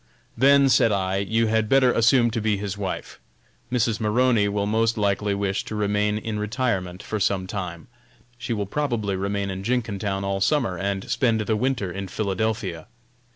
"Then," said I, "you had better assume to be his wife. Mrs. Maroney will most likely wish to remain in retirement for some time. She will probably remain in Jenkintown all summer and spend the winter in Philadelphia.